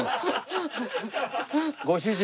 ご主人。